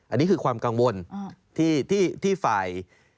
อันนี้คือความกังวลที่ฝ่าย